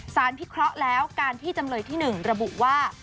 พิเคราะห์แล้วการที่จำเลยที่๑ระบุว่า